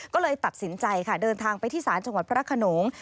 ก็เลยตัดสินใจค่ะเดินทางไปที่ศาลจังหวัดพระขนง